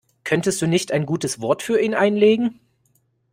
Könntest du nicht ein gutes Wort für ihn einlegen?